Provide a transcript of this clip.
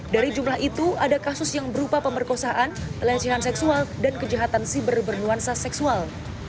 dari jumlah itu ada kasus yang berupa pemerkosaan pelecehan seksual dan kejahatan siber bernuansa seksual